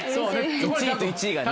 １位と１位がね。